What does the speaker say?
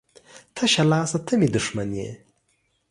تشه لاسه ته مې دښمن یې